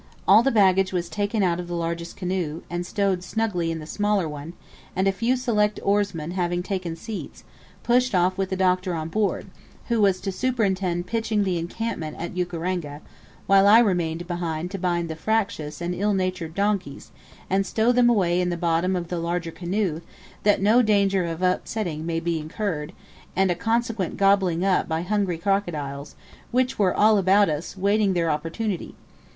All the baggage was taken out of the largest canoe, and stowed snugly in the smaller one, and a few select oarsmen having taken seats, pushed off with the Doctor on board, who was to superintend pitching the encampment at Ukaranga; while I remained behind to bind the fractious and ill natured donkeys, and stow them away in the bottom of the large canoe, that no danger of upsetting might be incurred, and a consequent gobbling up by hungry crocodiles, which were all about us waiting their opportunity.